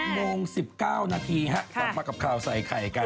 โมง๑๙นาทีกลับมากับข่าวใส่ไข่กัน